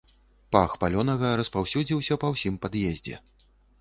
Пах паленага распаўсюдзіўся па ўсім пад'ездзе.